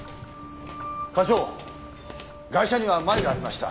課長ガイシャにはマエがありました。